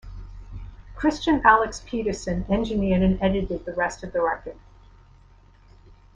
Christian Alex Petersen engineered and edited the rest of the record.